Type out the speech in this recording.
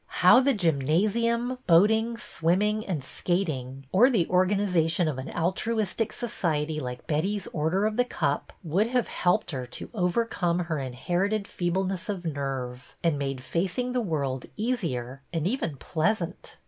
How the gymnasium, boating, swimming, and skating, or the organization of an altruistic so ciety like Betty's Order of the Cup would have helped her to overcome her inherited feebleness of nerve, and made facing the world easier and even pleasant!